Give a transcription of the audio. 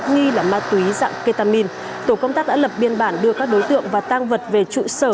nghi là ma túy dạng ketamin tổ công tác đã lập biên bản đưa các đối tượng và tang vật về trụ sở